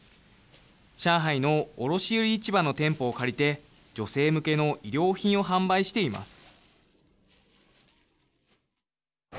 上海の卸売市場の店舗を借りて女性向けの衣料品を販売しています。